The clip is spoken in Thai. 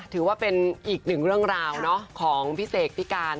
ถือว่าเป็นอีกหนึ่งเรื่องราวของพี่เสกพี่การ